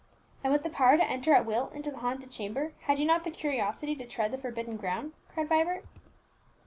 "And with the power to enter at will into the haunted chamber, had you not the curiosity to tread the forbidden ground?" cried Vibert.